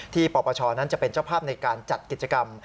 ปปชนั้นจะเป็นเจ้าภาพในการจัดกิจกรรม